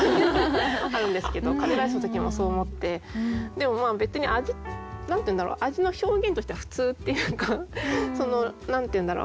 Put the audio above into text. あるんですけどカレーライスの時もそう思ってでもまあ別に味味の表現としては普通っていうか何て言うんだろう